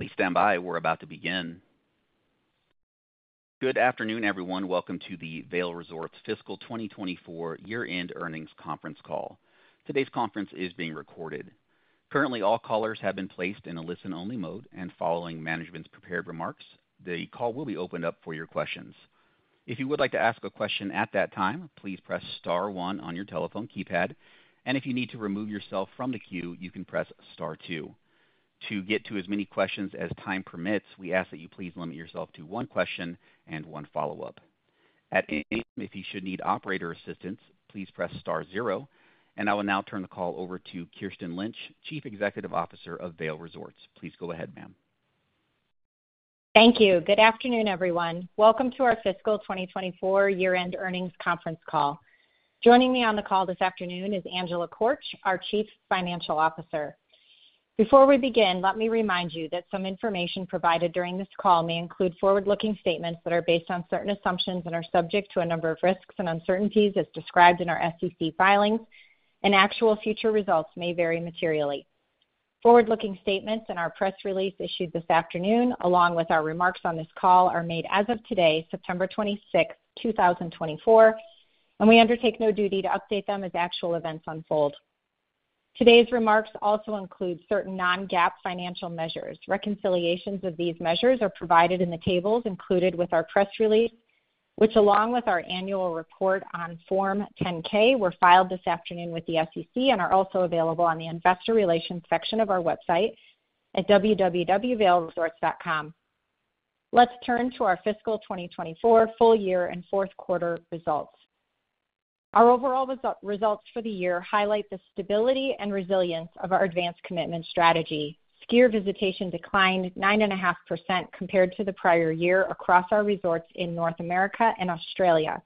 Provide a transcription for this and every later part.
Please stand by. We're about to begin. Good afternoon, everyone. Welcome to the Vail Resorts Fiscal 2024 Year-End Earnings Conference Call. Today's conference is being recorded. Currently, all callers have been placed in a listen-only mode, and following management's prepared remarks, the call will be opened up for your questions. If you would like to ask a question at that time, please press star one on your telephone keypad, and if you need to remove yourself from the queue, you can press star two. To get to as many questions as time permits, we ask that you please limit yourself to one question and one follow-up. At any time, if you should need operator assistance, please press star zero, and I will now turn the call over to Kirsten Lynch, Chief Executive Officer of Vail Resorts. Please go ahead, ma'am. Thank you. Good afternoon, everyone. Welcome to our Fiscal 2024 year-end earnings conference call. Joining me on the call this afternoon is Angela Korch, our Chief Financial Officer. Before we begin, let me remind you that some information provided during this call may include forward-looking statements that are based on certain assumptions and are subject to a number of risks and uncertainties as described in our SEC filings, and actual future results may vary materially. Forward-looking statements in our press release issued this afternoon, along with our remarks on this call, are made as of today, September 26th, 2024, and we undertake no duty to update them as actual events unfold. Today's remarks also include certain non-GAAP financial measures. Reconciliations of these measures are provided in the tables included with our press release, which, along with our annual report on Form 10-K, were filed this afternoon with the SEC and are also available on the Investor Relations section of our website at www.vailresorts.com. Let's turn to our fiscal 2024 full year and fourth quarter results. Our overall results for the year highlight the stability and resilience of our advance commitment strategy. Skier visitation declined 9.5% compared to the prior year across our resorts in North America and Australia,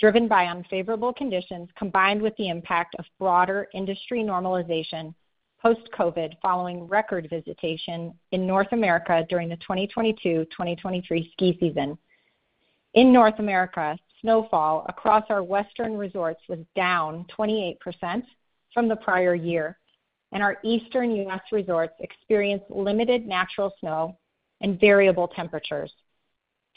driven by unfavorable conditions, combined with the impact of broader industry normalization post-COVID, following record visitation in North America during the 2022/2023 ski season. In North America, snowfall across our Western U.S. resorts was down 28% from the prior year, and our Eastern U.S. resorts experienced limited natural snow and variable temperatures.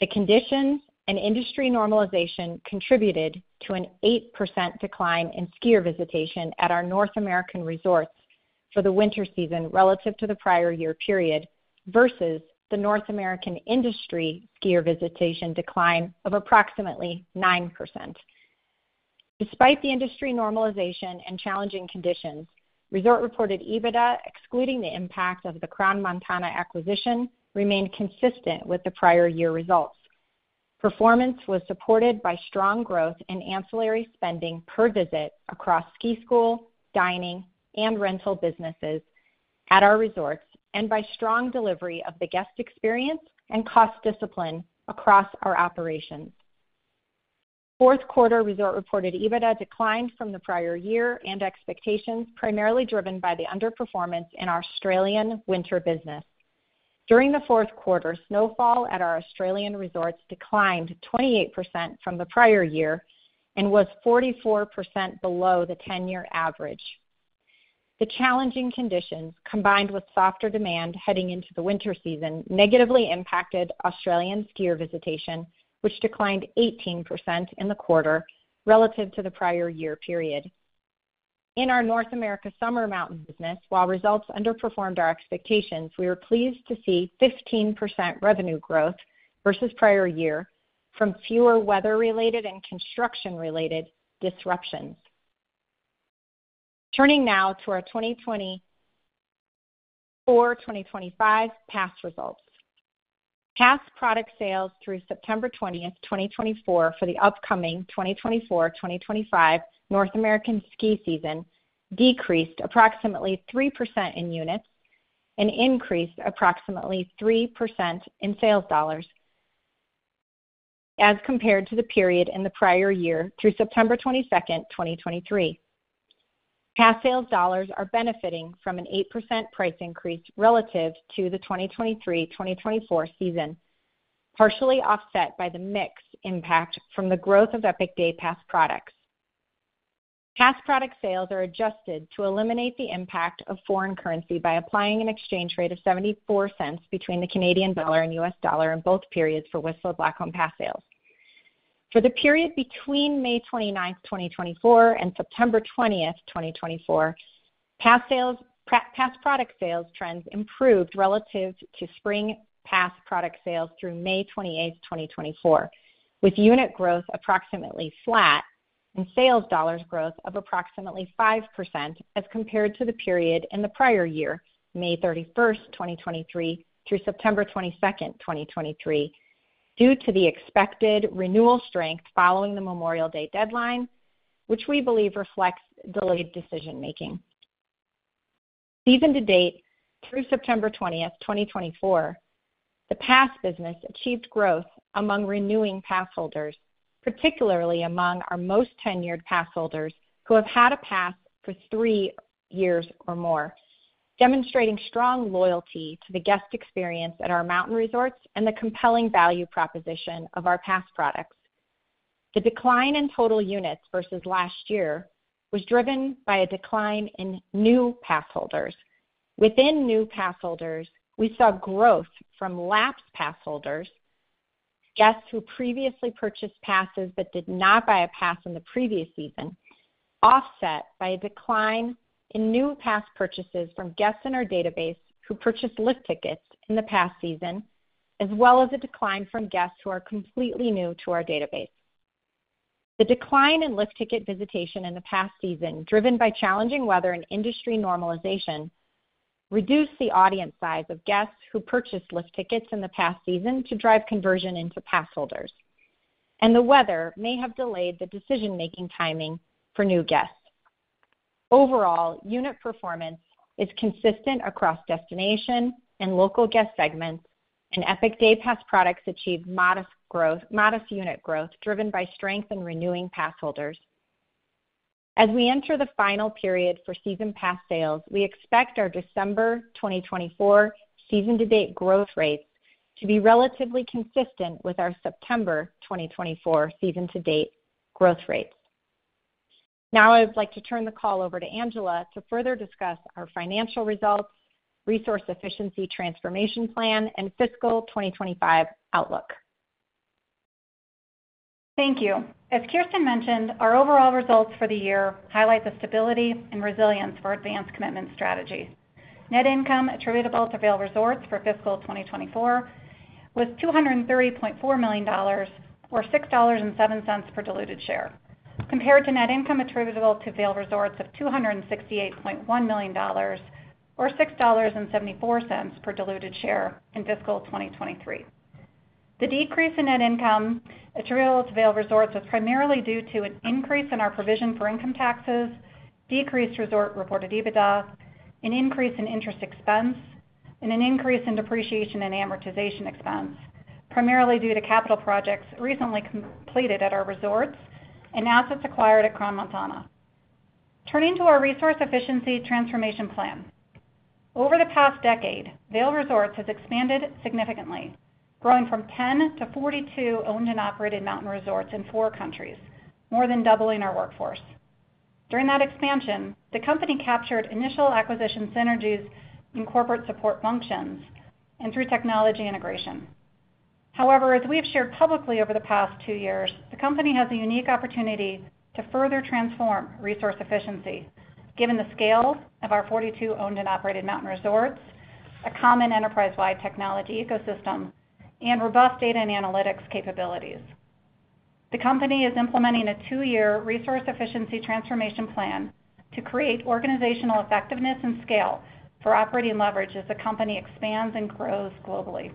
The conditions and industry normalization contributed to an 8% decline in skier visitation at our North American resorts for the winter season relative to the prior year period, versus the North American industry skier visitation decline of approximately 9%. Despite the industry normalization and challenging conditions, resort-reported EBITDA, excluding the impact of the Crans-Montana acquisition, remained consistent with the prior year results. Performance was supported by strong growth in ancillary spending per visit across ski school, dining, and rental businesses at our resorts, and by strong delivery of the guest experience and cost discipline across our operations. Fourth quarter resort-reported EBITDA declined from the prior year and expectations, primarily driven by the underperformance in our Australian winter business. During the fourth quarter, snowfall at our Australian resorts declined 28% from the prior year and was 44% below the 10-year average. The challenging conditions, combined with softer demand heading into the winter season, negatively impacted Australian skier visitation, which declined 18% in the quarter relative to the prior year period. In our North America summer mountain business, while results underperformed our expectations, we were pleased to see 15% revenue growth versus prior year from fewer weather-related and construction-related disruptions. Turning now to our 2024/2025 pass results. Pass product sales through September 20th, 2024, for the upcoming 2024/2025 North American ski season decreased approximately 3% in units and increased approximately 3% in sales dollars as compared to the period in the prior year through September 22nd, 2023. Pass sales dollars are benefiting from an 8% price increase relative to the 2023/2024 season, partially offset by the mix impact from the growth of Epic Day Pass products. Pass product sales are adjusted to eliminate the impact of foreign currency by applying an exchange rate of 0.74 between the Canadian dollar and U.S. dollar in both periods for Whistler Blackcomb pass sales. For the period between May 29, 2024, and September 20th, 2024, pass product sales trends improved relative to spring pass product sales through May 28, 2024, with unit growth approximately flat and sales dollars growth of approximately 5% as compared to the period in the prior year, May 31, 2023, through September 22, 2023, due to the expected renewal strength following the Memorial Day deadline, which we believe reflects delayed decision making. Season to date, through September 20, 2024, the pass business achieved growth among renewing passholders, particularly among our most tenured passholders, who have had a pass for three years or more, demonstrating strong loyalty to the guest experience at our mountain resorts and the compelling value proposition of our pass products. The decline in total units versus last year was driven by a decline in new pass holders. Within new pass holders, we saw growth from lapsed pass holders, guests who previously purchased passes but did not buy a pass in the previous season, offset by a decline in new pass purchases from guests in our database who purchased lift tickets in the past season, as well as a decline from guests who are completely new to our database. The decline in lift ticket visitation in the past season, driven by challenging weather and industry normalization, reduced the audience size of guests who purchased lift tickets in the past season to drive conversion into pass holders, and the weather may have delayed the decision-making timing for new guests. Overall, unit performance is consistent across destination and local guest segments, and Epic Day Pass products achieved modest growth, modest unit growth, driven by strength in renewing pass holders. As we enter the final period for season pass sales, we expect our December 2024 season-to-date growth rates to be relatively consistent with our September 2024 season to date growth rates. Now I'd like to turn the call over to Angela to further discuss our financial results, Resource Efficiency Transformation Plan, and fiscal 2025 outlook. Thank you. As Kirsten mentioned, our overall results for the year highlight the stability and resilience for advance commitment strategy. Net income attributable to Vail Resorts for Fiscal 2024 was $230.4 million, or $6.07 per diluted share, compared to net income attributable to Vail Resorts of $268.1 million, or $6.74 per diluted share in Fiscal 2023. The decrease in net income attributable to Vail Resorts was primarily due to an increase in our provision for income taxes, decreased resort-reported EBITDA, an increase in interest expense, and an increase in depreciation and amortization expense, primarily due to capital projects recently completed at our resorts and assets acquired at Crans-Montana. Turning to our Resource Efficiency Transformation Plan. Over the past decade, Vail Resorts has expanded significantly, growing from 10 to 42 owned and operated mountain resorts in four countries, more than doubling our workforce. During that expansion, the company captured initial acquisition synergies in corporate support functions and through technology integration. However, as we have shared publicly over the past two years, the company has a unique opportunity to further transform resource efficiency, given the scale of our 42 owned and operated mountain resorts, a common enterprise-wide technology ecosystem, and robust data and analytics capabilities. The company is implementing a two-year resource efficiency transformation plan to create organizational effectiveness and scale for operating leverage as the company expands and grows globally.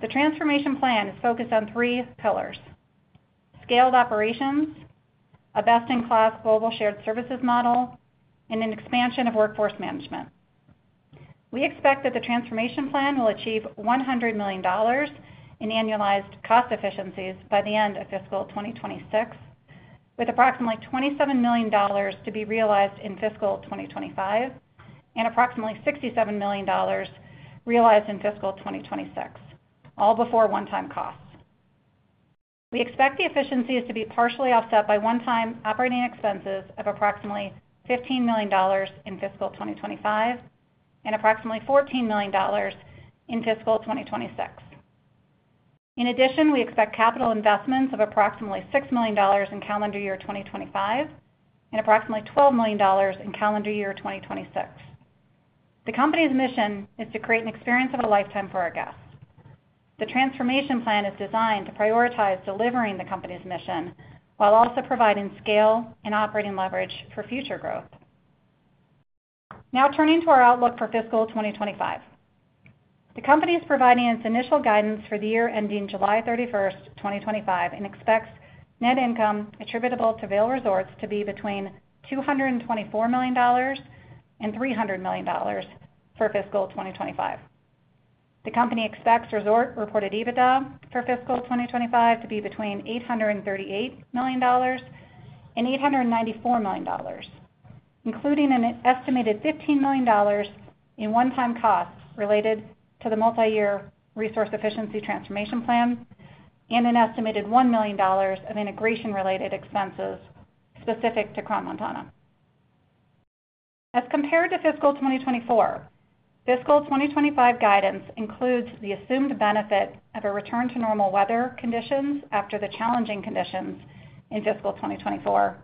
The transformation plan is focused on three pillars: scaled operations, a best-in-class global shared services model, and an expansion of workforce management. We expect that the transformation plan will achieve $100 million in annualized cost efficiencies by the end of Fiscal 2026, with approximately $27 million to be realized in Fiscal 2025, and approximately $67 million realized in Fiscal 2026, all before one-time costs. We expect the efficiencies to be partially offset by one-time operating expenses of approximately $15 million in Fiscal 2025 and approximately $14 million in Fiscal 2026. In addition, we expect capital investments of approximately $6 million in calendar year 2025 and approximately $12 million in calendar year 2026. The company's mission is to create an experience of a lifetime for our guests. The transformation plan is designed to prioritize delivering the company's mission while also providing scale and operating leverage for future growth. Now, turning to our outlook for Fiscal 2025. The company is providing its initial guidance for the year ending July 31, 2025, and expects net income attributable to Vail Resorts to be between $224 million-$300 million for Fiscal 2025. The company expects resort-reported EBITDA for Fiscal 2025 to be between $838 million-$894 million, including an estimated $15 million in one-time costs related to the multiyear Resource Efficiency Transformation Plan and an estimated $1 million of integration-related expenses specific to Crans-Montana. As compared to Fiscal 2024, Fiscal 2025 guidance includes the assumed benefit of a return to normal weather conditions after the challenging conditions in Fiscal 2024,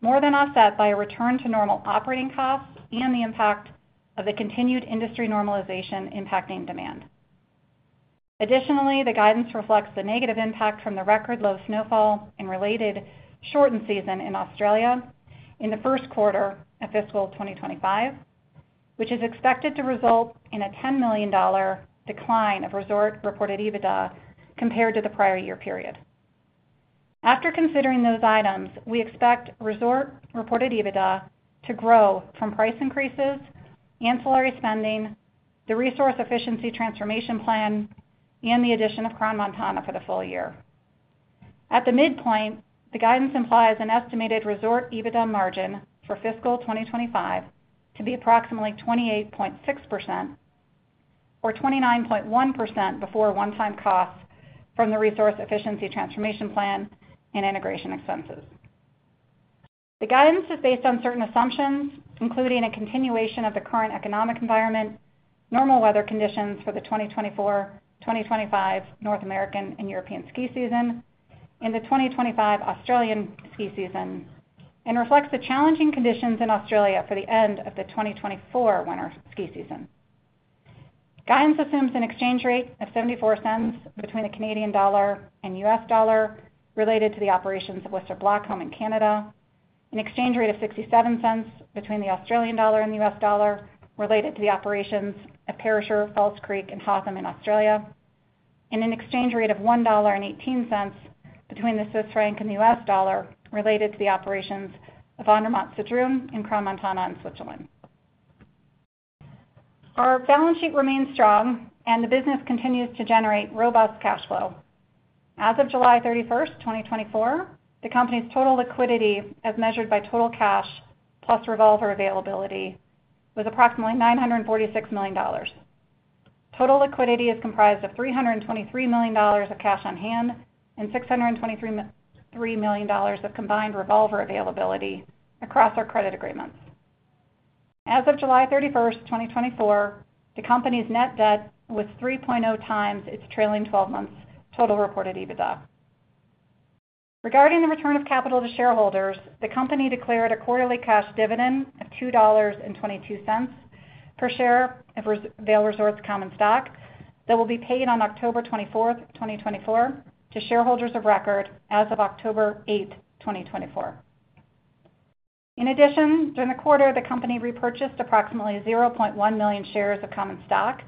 more than offset by a return to normal operating costs and the impact of the continued industry normalization impacting demand. Additionally, the guidance reflects the negative impact from the record low snowfall and related shortened season in Australia in the first quarter of fiscal 2025, which is expected to result in a $10 million decline of resort-reported EBITDA compared to the prior year period. After considering those items, we expect resort-reported EBITDA to grow from price increases, ancillary spending, the Resource Efficiency Transformation Plan, and the addition of Crans-Montana for the full year. At the midpoint, the guidance implies an estimated resort EBITDA margin for fiscal 2025 to be approximately 28.6%... or 29.1% before one-time costs from the resource efficiency transformation plan and integration expenses. The guidance is based on certain assumptions, including a continuation of the current economic environment, normal weather conditions for the 2024-2025 North American and European ski season, and the 2025 Australian ski season, and reflects the challenging conditions in Australia for the end of the 2024 winter ski season. Guidance assumes an exchange rate of $0.74 between the Canadian dollar and US dollar related to the operations of Whistler Blackcomb in Canada, an exchange rate of $0.67 between the Australian dollar and the US dollar related to the operations at Perisher, Falls Creek, and Hotham in Australia, and an exchange rate of $1.18 between the Swiss franc and the US dollar related to the operations of Andermatt-Sedrun and Crans-Montana in Switzerland. Our balance sheet remains strong, and the business continues to generate robust cash flow. As of July 31, 2024, the company's total liquidity, as measured by total cash plus revolver availability, was approximately $946 million. Total liquidity is comprised of $323 million of cash on hand and $623 million of combined revolver availability across our credit agreements. As of July 31, 2024, the company's net debt was 3.0 times its trailing 12 months total reported EBITDA. Regarding the return of capital to shareholders, the company declared a quarterly cash dividend of $2.22 per share of Vail Resorts common stock that will be paid on October 24, 2024, to shareholders of record as of October 8, 2024. In addition, during the quarter, the company repurchased approximately 0.1 million shares of common stock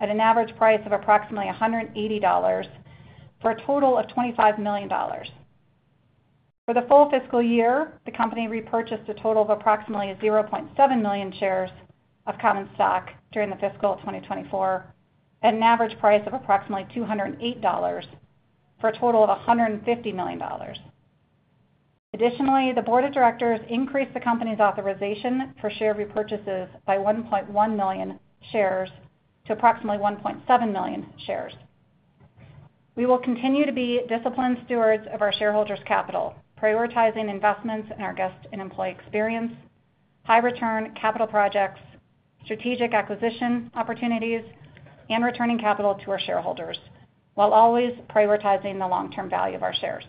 at an average price of approximately $180, for a total of $25 million. For the full fiscal year, the company repurchased a total of approximately 0.7 million shares of common stock during fiscal 2024 at an average price of approximately $208, for a total of $150 million. Additionally, the board of directors increased the company's authorization for share repurchases by 1.1 million shares to approximately 1.7 million shares. We will continue to be disciplined stewards of our shareholders' capital, prioritizing investments in our guest and employee experience, high return capital projects, strategic acquisition opportunities, and returning capital to our shareholders, while always prioritizing the long-term value of our shares.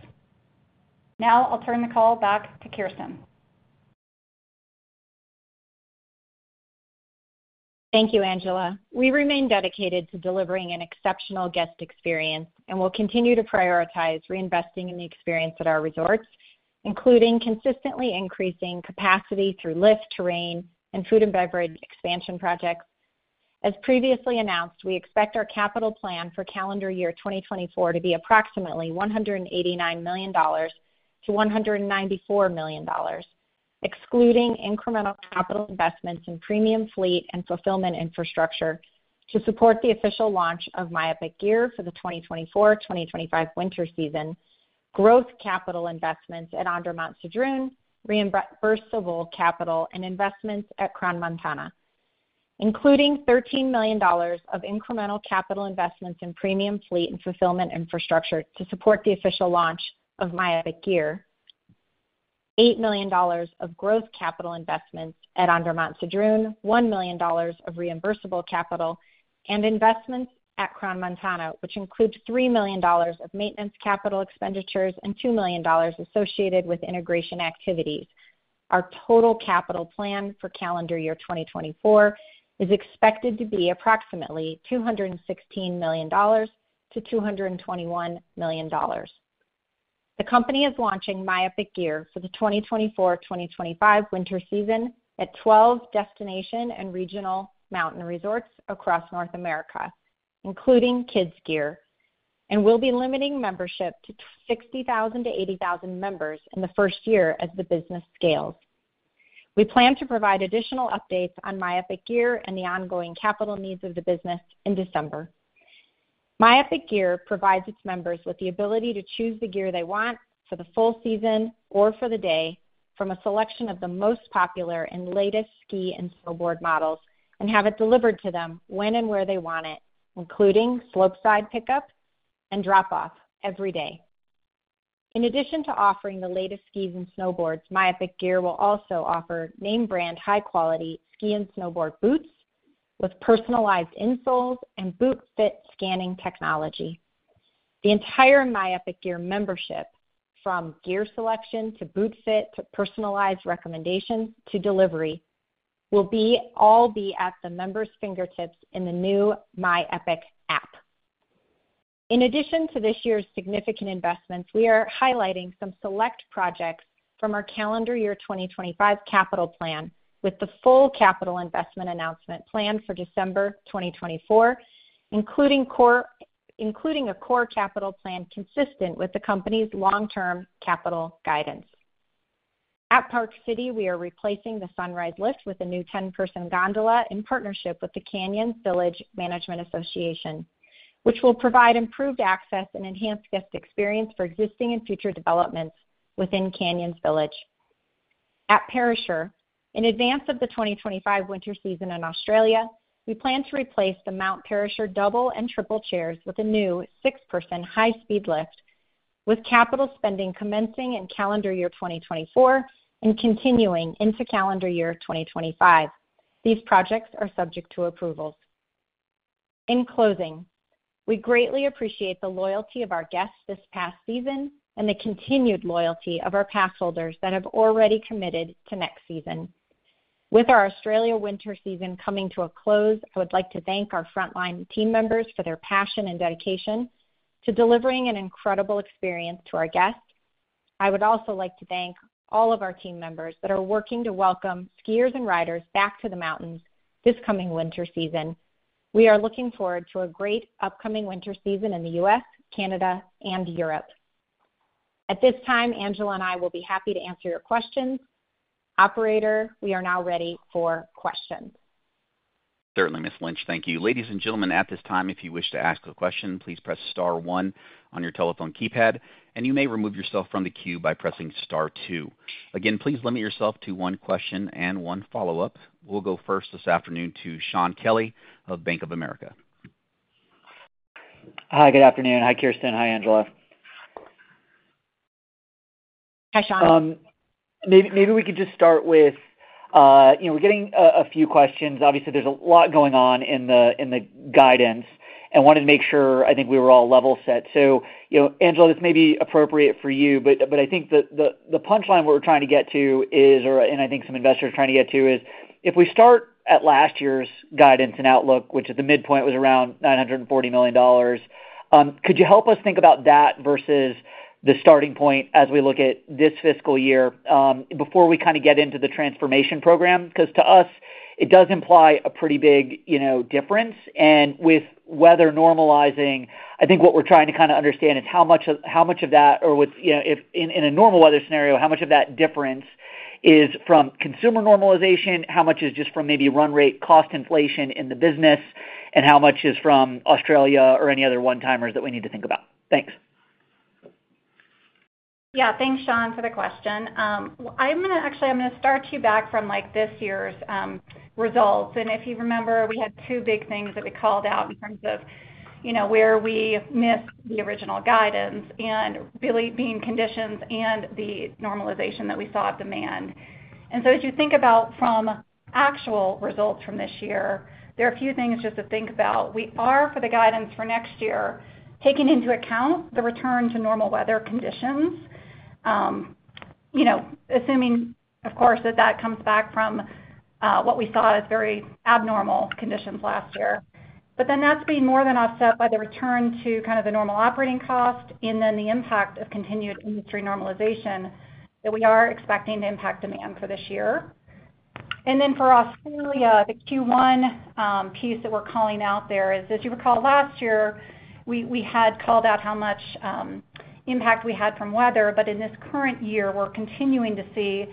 Now I'll turn the call back to Kirsten. Thank you, Angela. We remain dedicated to delivering an exceptional guest experience and will continue to prioritize reinvesting in the experience at our resorts, including consistently increasing capacity through lift, terrain, and food and beverage expansion projects. As previously announced, we expect our capital plan for calendar year 2024 to be approximately $189 million-$194 million, excluding incremental capital investments in premium fleet and fulfillment infrastructure to support the official launch of My Epic Gear for the 2024/2025 winter season, growth capital investments at Andermatt-Sedrun, reimbursable capital, and investments at Crans-Montana, including $13 million of incremental capital investments in premium fleet and fulfillment infrastructure to support the official launch of My Epic Gear, $8 million of growth capital investments at Andermatt-Sedrun, $1 million of reimbursable capital and investments at Crans-Montana, which includes $3 million of maintenance capital expenditures and $2 million associated with integration activities. Our total capital plan for calendar year 2024 is expected to be approximately $216 million-$221 million. The company is launching My Epic Gear for the 2024/2025 winter season at 12 destination and regional mountain resorts across North America, including kids gear, and will be limiting membership to 60,000-80,000 members in the first year as the business scales. We plan to provide additional updates on My Epic Gear and the ongoing capital needs of the business in December. My Epic Gear provides its members with the ability to choose the gear they want for the full season or for the day from a selection of the most popular and latest ski and snowboard models, and have it delivered to them when and where they want it, including slope-side pickup and drop-off every day. In addition to offering the latest skis and snowboards, My Epic Gear will also offer name brand, high quality ski and snowboard boots with personalized insoles and boot fit scanning technology. The entire My Epic Gear membership, from gear selection to boot fit, to personalized recommendations, to delivery, will all be at the member's fingertips in the new My Epic app. In addition to this year's significant investments, we are highlighting some select projects from our calendar year 2025 capital plan, with the full capital investment announcement planned for December 2024, including a core capital plan consistent with the company's long-term capital guidance. At Park City, we are replacing the Sunrise Lift with a new 10-person gondola in partnership with the Canyons Village Management Association, which will provide improved access and enhanced guest experience for existing and future developments within Canyons Village. At Perisher. In advance of the 2025 winter season in Australia, we plan to replace the Mount Perisher double and triple chairs with a new six-person high-speed lift, with capital spending commencing in calendar year 2024 and continuing into calendar year 2025. These projects are subject to approvals. In closing, we greatly appreciate the loyalty of our guests this past season and the continued loyalty of our pass holders that have already committed to next season. With our Australia winter season coming to a close, I would like to thank our frontline team members for their passion and dedication to delivering an incredible experience to our guests. I would also like to thank all of our team members that are working to welcome skiers and riders back to the mountains this coming winter season. We are looking forward to a great upcoming winter season in the U.S., Canada, and Europe. At this time, Angela and I will be happy to answer your questions. Operator, we are now ready for questions. Certainly, Ms. Lynch. Thank you. Ladies and gentlemen, at this time, if you wish to ask a question, please press star one on your telephone keypad, and you may remove yourself from the queue by pressing star two. Again, please limit yourself to one question and one follow-up. We'll go first this afternoon to Shaun Kelley of Bank of America. Hi, good afternoon. Hi, Kirsten. Hi, Angela. Hi, Shaun. Maybe we could just start with, you know, we're getting a few questions. Obviously, there's a lot going on in the guidance and wanted to make sure, I think, we were all level set. So, you know, Angela, this may be appropriate for you, but I think the punchline we're trying to get to is, and I think some investors are trying to get to is, if we start at last year's guidance and outlook, which at the midpoint was around $940 million, could you help us think about that versus the starting point as we look at this fiscal year, before we kinda get into the transformation program? Because to us, it does imply a pretty big, you know, difference. And with weather normalizing, I think what we're trying to kinda understand is how much of that, or with—you know, if in a normal weather scenario, how much of that difference is from consumer normalization, how much is just from maybe run rate cost inflation in the business, and how much is from Australia or any other one-timers that we need to think about? Thanks. Yeah. Thanks, Shaun, for the question. I'm actually gonna start you back from, like, this year's results. And if you remember, we had two big things that we called out in terms of, you know, where we missed the original guidance and weather conditions and the normalization that we saw of demand. And so as you think about from actual results from this year, there are a few things just to think about. We are, for the guidance for next year, taking into account the return to normal weather conditions, you know, assuming, of course, that that comes back from what we saw as very abnormal conditions last year. But then that's being more than offset by the return to kind of the normal operating cost and then the impact of continued industry normalization that we are expecting to impact demand for this year. And then for Australia, the Q1 piece that we're calling out there is, as you recall, last year we had called out how much impact we had from weather, but in this current year, we're continuing to see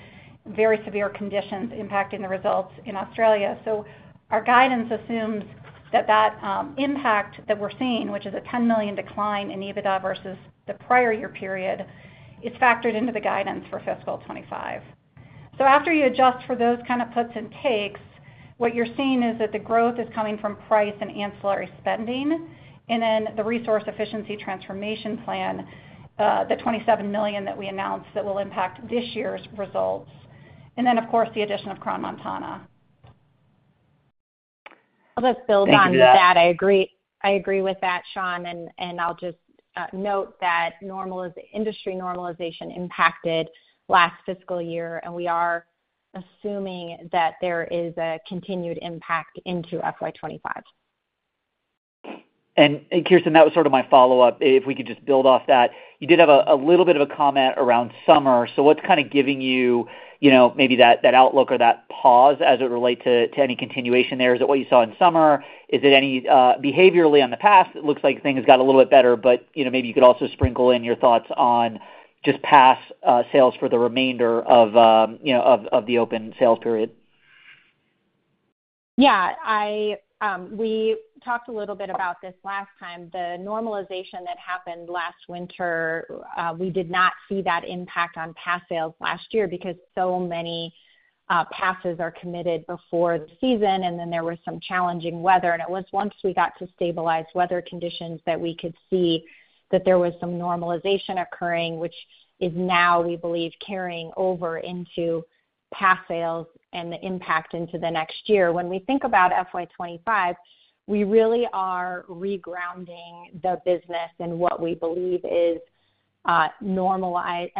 very severe conditions impacting the results in Australia. So our guidance assumes that impact that we're seeing, which is a $10 million decline in EBITDA versus the prior year period, is factored into the guidance for fiscal 2025. After you adjust for those kind of puts and takes, what you're seeing is that the growth is coming from price and ancillary spending, and then the Resource Efficiency Transformation Plan, the $27 million that we announced that will impact this year's results, and then, of course, the addition of Crans-Montana. Thank you for that. I'll just build on that. I agree, I agree with that, Shaun, and I'll just note that normal industry normalization impacted last fiscal year, and we are assuming that there is a continued impact into FY 2025 Kirsten, that was sort of my follow-up. If we could just build off that, you did have a little bit of a comment around summer. So what's kind of giving you, you know, maybe that outlook or that pause as it relate to any continuation there? Is it what you saw in summer? Is it any behaviorally on the pass, it looks like things got a little bit better, but, you know, maybe you could also sprinkle in your thoughts on just pass sales for the remainder of the open sales period. Yeah. I, we talked a little bit about this last time. The normalization that happened last winter, we did not see that impact on pass sales last year because so many passes are committed before the season, and then there was some challenging weather. It was once we got to stabilize weather conditions that we could see that there was some normalization occurring, which is now, we believe, carrying over into pass sales and the impact into the next year. When we think about FY25, we really are re-grounding the business and what we believe is a normalized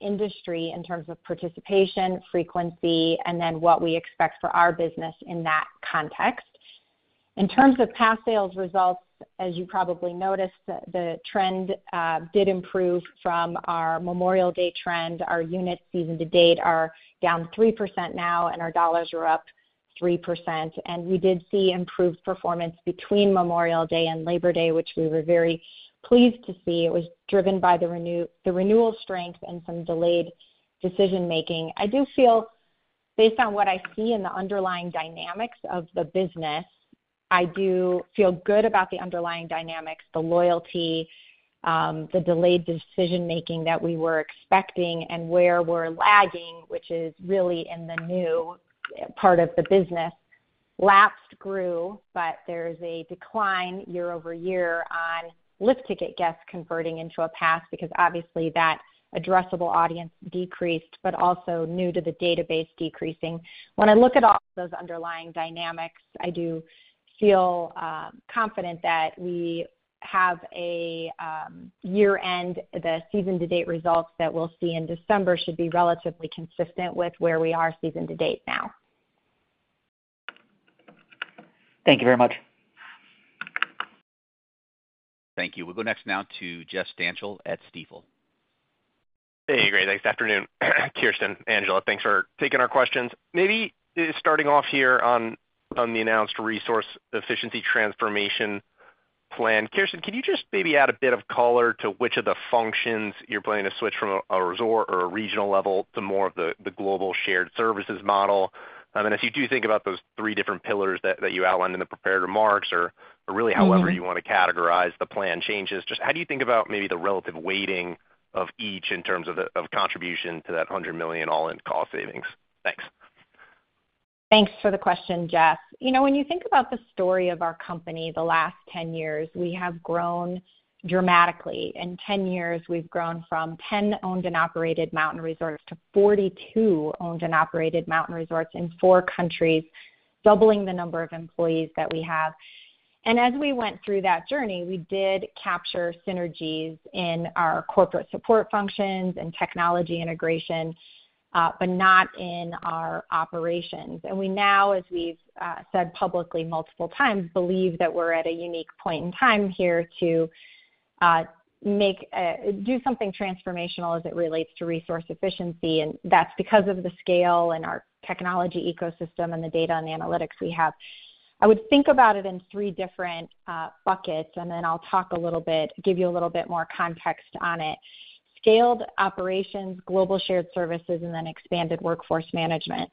industry in terms of participation, frequency, and then what we expect for our business in that context. In terms of pass sales results, as you probably noticed, the trend did improve from our Memorial Day trend. Our units season to date are down 3% now, and our dollars are up 3%. And we did see improved performance between Memorial Day and Labor Day, which we were very pleased to see. It was driven by the renewal strength and some delayed decision making. I do feel. Based on what I see in the underlying dynamics of the business, I do feel good about the underlying dynamics, the loyalty, the delayed decision-making that we were expecting and where we're lagging, which is really in the new part of the business. Lapsed grew, but there is a decline year over year on lift ticket guests converting into a pass, because obviously that addressable audience decreased, but also new to the database decreasing. When I look at all those underlying dynamics, I do feel confident that the season to date results that we'll see in December should be relatively consistent with where we are season to date now. Thank you very much. Thank you. We'll go next now to Jeff Stantial at Stifel. Hey, great. Thanks. Afternoon, Kirsten, Angela, thanks for taking our questions. Maybe starting off here on the announced Resource Efficiency Transformation Plan. Kirsten, can you just maybe add a bit of color to which of the functions you're planning to switch from a resort or a regional level to more of the global shared services model? I mean, if you do think about those three different pillars that you outlined in the prepared remarks or really however you want to categorize the plan changes, just how do you think about maybe the relative weighting of each in terms of the contribution to that 100 million all-in cost savings? Thanks. Thanks for the question, Jeff. You know, when you think about the story of our company, the last 10 years, we have grown dramatically. In 10 years, we've grown from 10 owned and operated mountain resorts to 42 owned and operated mountain resorts in four countries, doubling the number of employees that we have. And as we went through that journey, we did capture synergies in our corporate support functions and technology integration, but not in our operations. And we now, as we've said publicly multiple times, believe that we're at a unique point in time here to do something transformational as it relates to resource efficiency, and that's because of the scale and our technology ecosystem and the data and the analytics we have. I would think about it in three different buckets, and then I'll talk a little bit, give you a little bit more context on it. Scaled operations, global shared services, and then expanded workforce management.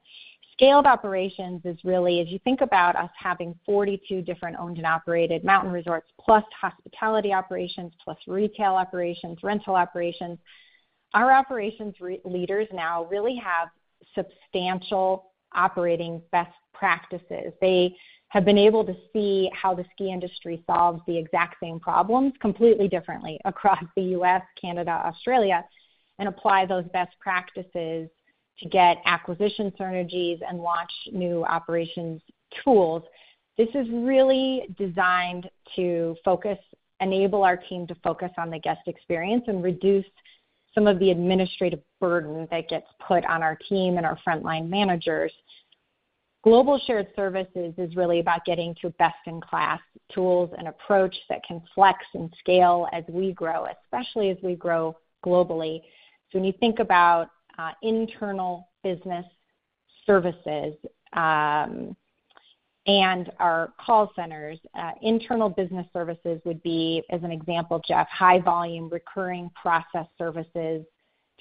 Scaled operations is really, as you think about us having 42 different owned and operated mountain resorts, plus hospitality operations, plus retail operations, rental operations. Our operations leaders now really have substantial operating best practices. They have been able to see how the ski industry solves the exact same problems completely differently across the U.S., Canada, Australia, and apply those best practices to get acquisition synergies and launch new operations tools. This is really designed to enable our team to focus on the guest experience and reduce some of the administrative burden that gets put on our team and our frontline managers. Global shared services is really about getting to best-in-class tools and approach that can flex and scale as we grow, especially as we grow globally. So when you think about internal business services and our call centers, internal business services would be, as an example, Jeff, high volume, recurring process services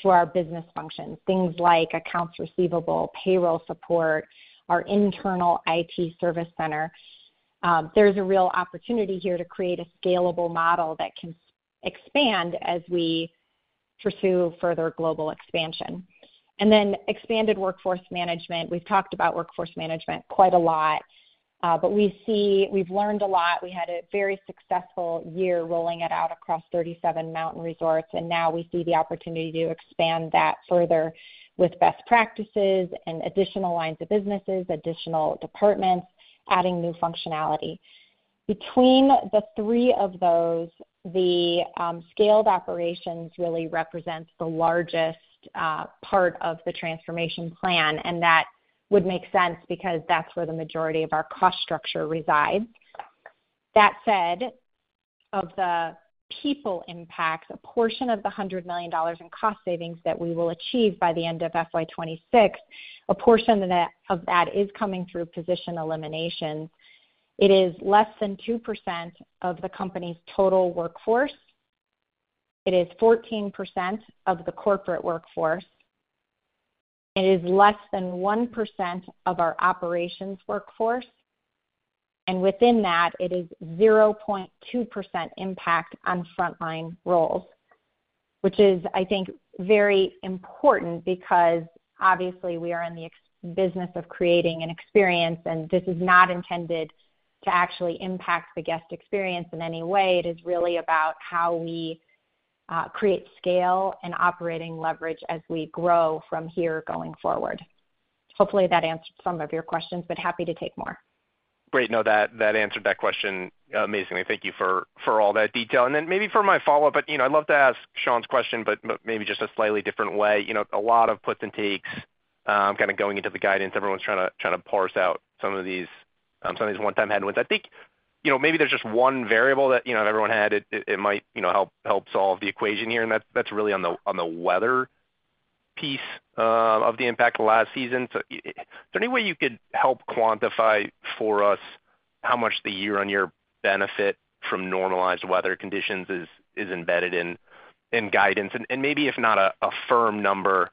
to our business functions. Things like accounts receivable, payroll support, our internal IT service center. There's a real opportunity here to create a scalable model that can expand as we pursue further global expansion, and then expanded workforce management. We've talked about workforce management quite a lot, but we see... We've learned a lot. We had a very successful year rolling it out across 37 mountain resorts, and now we see the opportunity to expand that further with best practices and additional lines of businesses, additional departments, adding new functionality. Between the three of those, scaled operations really represents the largest part of the transformation plan, and that would make sense because that's where the majority of our cost structure resides. That said, of the people impacts, a portion of the $100 million in cost savings that we will achieve by the end of FY26, a portion of that is coming through position elimination. It is less than 2% of the company's total workforce. It is 14% of the corporate workforce. It is less than 1% of our operations workforce, and within that, it is 0.2% impact on frontline roles, which is, I think, very important because, obviously, we are in the experience business of creating an experience, and this is not intended to actually impact the guest experience in any way. It is really about how we create scale and operating leverage as we grow from here going forward. Hopefully, that answered some of your questions, but happy to take more. Great. No, that answered that question amazingly. Thank you for all that detail. And then maybe for my follow-up, but you know, I'd love to ask Sean's question, but maybe just a slightly different way. You know, a lot of puts and takes kind of going into the guidance. Everyone's trying to parse out some of these one-time headwinds. I think you know, maybe there's just one variable that you know, if everyone had it, it might you know, help solve the equation here, and that's really on the weather piece of the impact of last season. So is there any way you could help quantify for us how much the year-on-year benefit from normalized weather conditions is embedded in guidance? Maybe if not a firm number,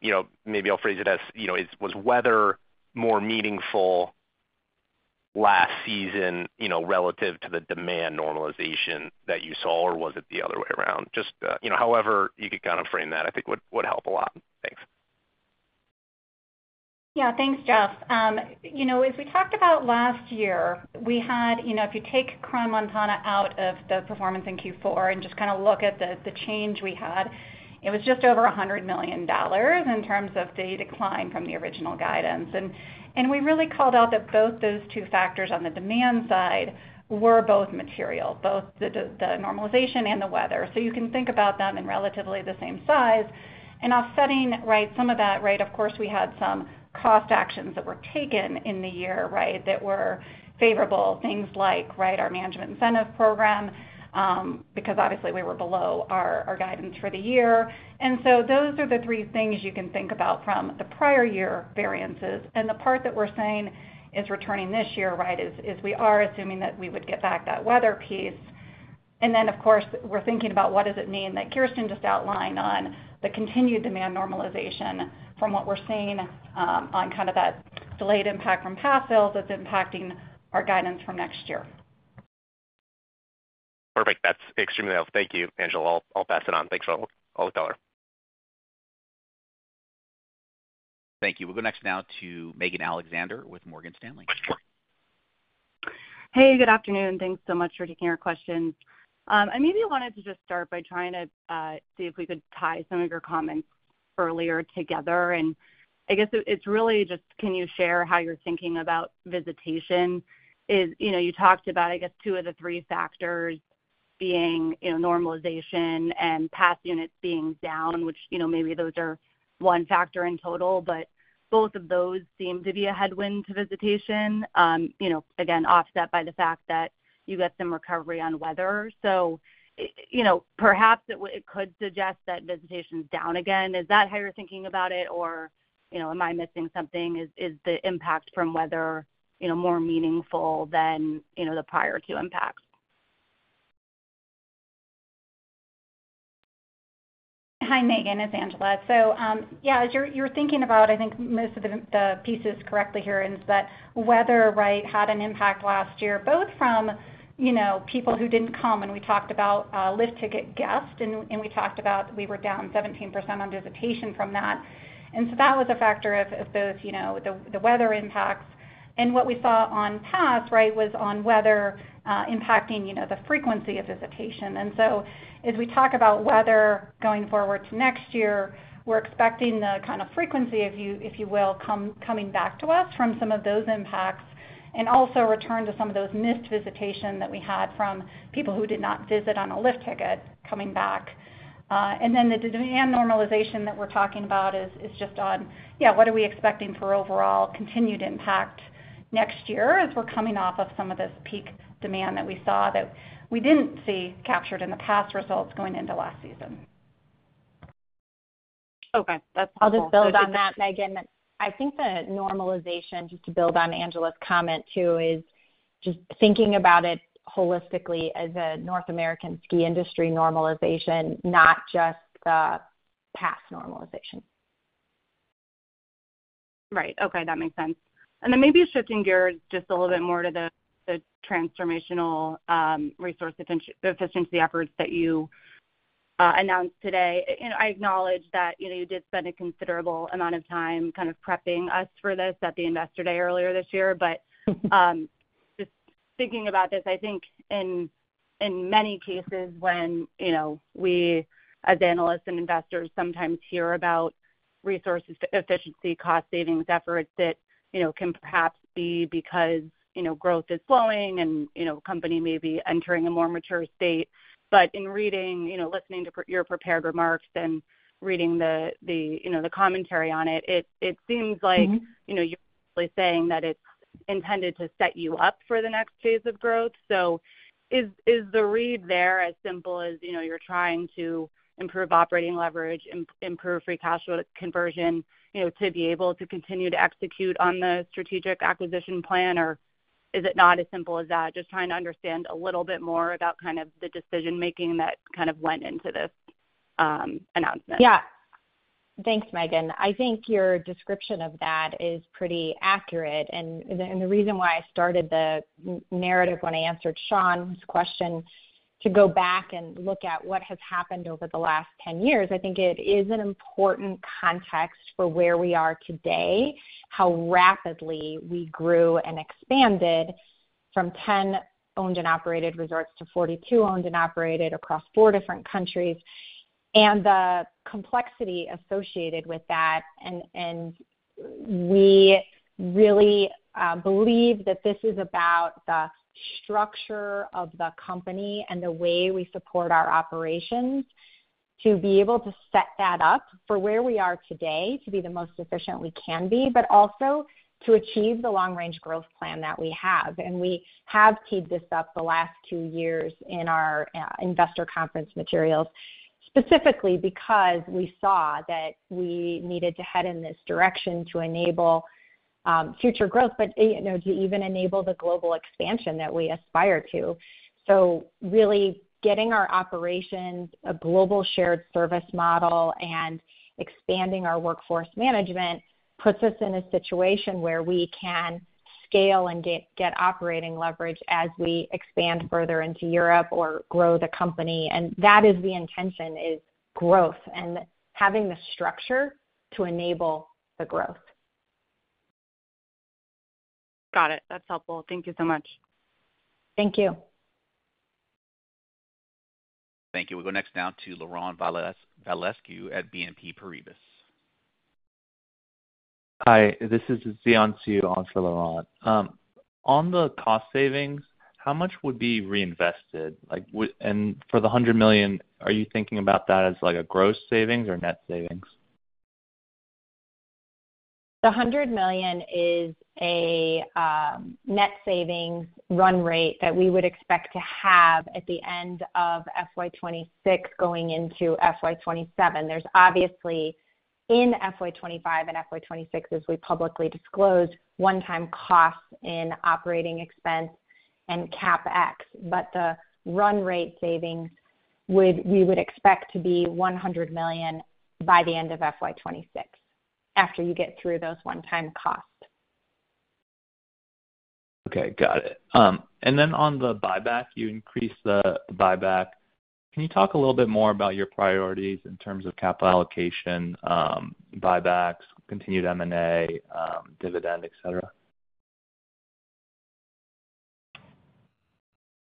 you know, maybe I'll phrase it as, you know, was weather more meaningful last season, you know, relative to the demand normalization that you saw? Or was it the other way around? Just, you know, however you could kind of frame that, I think would help a lot. Thanks. Yeah, thanks, Jeff. You know, as we talked about last year, we had, you know, if you take Crans-Montana out of the performance in Q4 and just kind of look at the, the change we had, it was just over $100 million in terms of the decline from the original guidance. And we really called out that both those two factors on the demand side were both material, both the normalization and the weather. So you can think about them in relatively the same size. And offsetting, right, some of that, right, of course, we had some cost actions that were taken in the year, right, that were favorable. Things like, right, our management incentive program, because obviously we were below our guidance for the year. And so those are the three things you can think about from the prior year variances. And the part that we're saying is returning this year, right, is we are assuming that we would get back that weather piece. And then, of course, we're thinking about what does it mean that Kirsten just outlined on the continued demand normalization from what we're seeing, on kind of that delayed impact from pass sales that's impacting our guidance for next year. Perfect. That's extremely helpful. Thank you, Angela. I'll pass it on. Thanks a lot. I'll tell her. Thank you. We'll go next now to Megan Alexander with Morgan Stanley. Hey, good afternoon. Thanks so much for taking our questions. I maybe wanted to just start by trying to see if we could tie some of your comments earlier together. And I guess it, it's really just can you share how you're thinking about visitation? Is, you know, you talked about, I guess, two of the three factors being, you know, normalization and pass units being down, which, you know, maybe those are one factor in total. But both of those seem to be a headwind to visitation, you know, again, offset by the fact that you get some recovery on weather. So, you know, perhaps it could suggest that visitation is down again. Is that how you're thinking about it, or, you know, am I missing something? Is the impact from weather, you know, more meaningful than, you know, the prior Q impacts? Hi, Megan, it's Angela. So, yeah, as you're thinking about, I think, most of the pieces correctly here, and it's that weather, right, had an impact last year, both from, you know, people who didn't come, and we talked about lift ticket guests, and we talked about we were down 17% on visitation from that. So that was a factor of both, you know, the weather impacts. What we saw on pass, right, was on weather impacting, you know, the frequency of visitation. And so as we talk about weather going forward to next year, we're expecting the kind of frequency, if you will, coming back to us from some of those impacts, and also return to some of those missed visitation that we had from people who did not visit on a lift ticket coming back. And then the demand normalization that we're talking about is just on what we are expecting for overall continued impact next year as we're coming off of some of this peak demand that we saw that we didn't see captured in the past results going into last season. Okay, that's helpful. I'll just build on that, Megan. I think the normalization, just to build on Angela's comment, too, is just thinking about it holistically as a North American ski industry normalization, not just the past normalization. Right. Okay, that makes sense. And then maybe shifting gears just a little bit more to the transformational resource efficiency efforts that you announced today. You know, I acknowledge that, you know, you did spend a considerable amount of time kind of prepping us for this at the Investor Day earlier this year. But just thinking about this, I think in many cases when, you know, we, as analysts and investors, sometimes hear about resource efficiency, cost savings efforts that, you know, can perhaps be because, you know, growth is slowing and, you know, company may be entering a more mature state. But in reading, you know, listening to your prepared remarks and reading the, the, you know, the commentary on it, it seems like Mm-hmm... you know, you're basically saying that it's intended to set you up for the next phase of growth. So is the read there as simple as, you know, you're trying to improve operating leverage, improve free cash flow conversion, you know, to be able to continue to execute on the strategic acquisition plan? Or is it not as simple as that? Just trying to understand a little bit more about kind of the decision-making that kind of went into this announcement. Yeah. Thanks, Megan. I think your description of that is pretty accurate. The reason why I started the narrative when I answered Shaun's question, to go back and look at what has happened over the last 10 years, I think it is an important context for where we are today, how rapidly we grew and expanded from 10 owned and operated resorts to 42 owned and operated across four different countries, and the complexity associated with that. We really believe that this is about the structure of the company and the way we support our operations to be able to set that up for where we are today, to be the most efficient we can be, but also to achieve the long-range growth plan that we have. We have teed this up the last two years in our investor conference materials. specifically because we saw that we needed to head in this direction to enable future growth, but, you know, to even enable the global expansion that we aspire to, so really getting our operations, a global shared service model, and expanding our workforce management puts us in a situation where we can scale and get operating leverage as we expand further into Europe or grow the company, and that is the intention, is growth and having the structure to enable the growth. Got it. That's helpful. Thank you so much. Thank you. Thank you. We'll go next now to Laurent Vasilescu at BNP Paribas. Hi, this is Laurent Vasilescu. On the cost savings, how much would be reinvested? Like, and for the $100 million, are you thinking about that as like a gross savings or net savings? The $100 million is a net savings run rate that we would expect to have at the end of FY 2026 going into FY 2027. There's obviously, in FY 2025 and FY 2026, as we publicly disclosed, one-time costs in operating expense and CapEx, but the run rate savings would expect to be $100 million by the end of FY 2026, after you get through those one-time costs. Okay, got it, and then on the buyback, you increased the buyback. Can you talk a little bit more about your priorities in terms of capital allocation, buybacks, continued M&A, dividend, et cetera?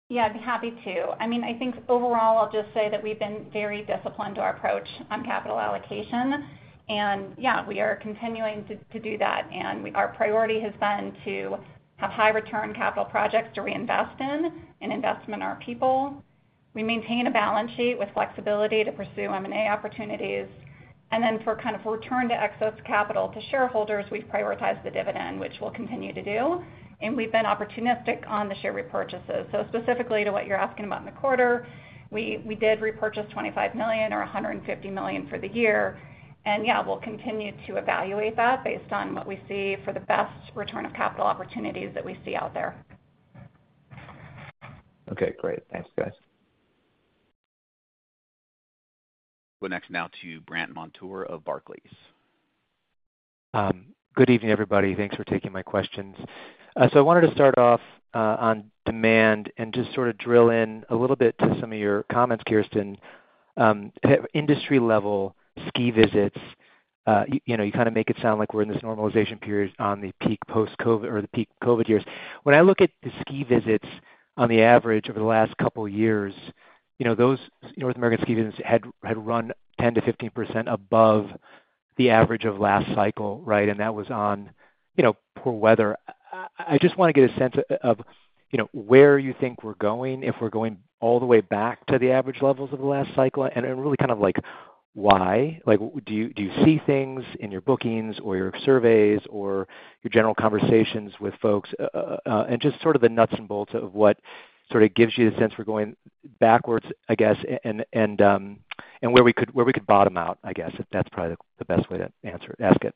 Yeah, I'd be happy to. I mean, I think overall, I'll just say that we've been very disciplined to our approach on capital allocation, and yeah, we are continuing to do that. And we, our priority has been to have high return capital projects to reinvest in, and invest in our people. We maintain a balance sheet with flexibility to pursue M&A opportunities, and then for kind of return to excess capital to shareholders, we've prioritized the dividend, which we'll continue to do, and we've been opportunistic on the share repurchases. So specifically to what you're asking about in the quarter, we did repurchase $25 million or $150 million for the year. And yeah, we'll continue to evaluate that based on what we see for the best return of capital opportunities that we see out there. Okay, great. Thanks, guys. We'll next now to Brandt Montour of Barclays. Good evening, everybody. Thanks for taking my questions. So I wanted to start off on demand and just sort of drill in a little bit to some of your comments, Kirsten. Industry level ski visits, you know, you kind of make it sound like we're in this normalization period on the peak post COVID or the peak COVID years. When I look at the ski visits on the average over the last couple of years, you know, those North American ski visits had run 10%-15% above the average of last cycle, right? And that was on, you know, poor weather. I just want to get a sense of, you know, where you think we're going, if we're going all the way back to the average levels of the last cycle, and really kind of like, why? Like, do you see things in your bookings or your surveys or your general conversations with folks, and just sort of the nuts and bolts of what sort of gives you the sense we're going backwards, I guess, and where we could bottom out, I guess, if that's probably the best way to answer - ask it.